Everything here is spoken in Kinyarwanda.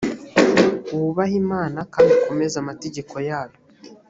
wubahe imana kandi ukomeze amategeko yayo